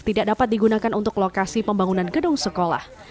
tidak dapat digunakan untuk lokasi pembangunan gedung sekolah